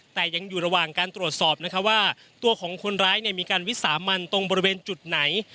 แต่ยังอยู่ระหว่างการตรวจสอบนะคะว่าตัวของคนร้ายมีการวิสามันตรงบริเวณจุดไหน